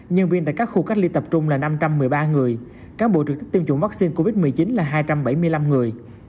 nhân viên tại các khu cách ly tập trung là năm trăm một mươi ba người cán bộ trực tiếp tiêm chủng vaccine covid một mươi chín là hai trăm bảy mươi năm người